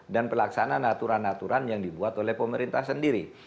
pelaksanaan aturan aturan yang dibuat oleh pemerintah sendiri